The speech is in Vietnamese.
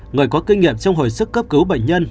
người có kinh nghiệm trong hồi sức cấp cứu bệnh nhân